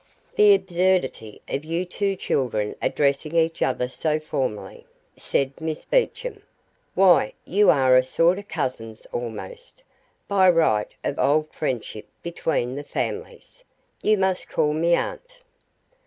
"The absurdity of you two children addressing each other so formally," said Miss Beecham. "Why, you are a sort of cousins almost, by right of old friendship between the families. You must call me aunt."